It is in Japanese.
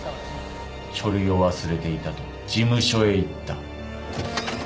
書類を忘れていたと事務所へ行った。